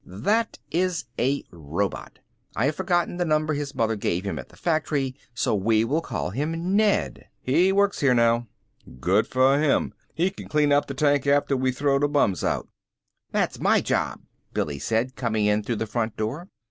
"That is a robot. I have forgotten the number his mother gave him at the factory so we will call him Ned. He works here now." "Good for him! He can clean up the tank after we throw the bums out." "That's my job," Billy said coming in through the front door.